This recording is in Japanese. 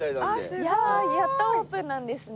やっとオープンなんですね。